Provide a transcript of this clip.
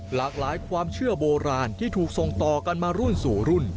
หลากหลายความเชื่อโบราณที่ถูกส่งต่อกันมารุ่นสู่รุ่น